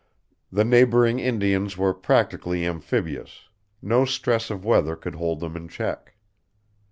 The neighboring Indians were practically amphibious; no stress of weather could hold them in check.